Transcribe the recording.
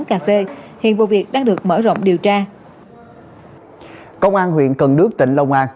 công an huyện cần đức tỉnh long an